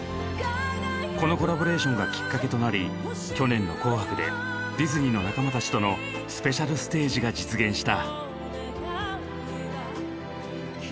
このコラボレーションがきっかけとなり去年の「紅白」でディズニーの仲間たちとのスペシャルステージが実現した。